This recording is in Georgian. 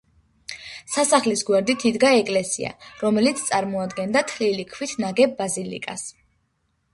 სასახლის გვერდით იდგა ეკლესია, რომელიც წარმოადგენდა თლილი ქვით ნაგებ ბაზილიკას.